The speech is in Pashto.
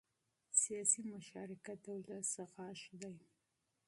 سیاسي مشارکت د ولس غږ دی